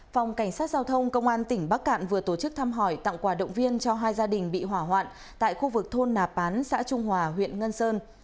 phòng cảnh sát giao thông công an tỉnh bắc cạn vừa tổ chức thăm hỏi tặng quà động viên cho hai gia đình bị hỏa hoạn tại khu vực thôn nà pán xã trung hòa huyện ngân sơn